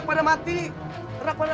kau jadi baik baik saja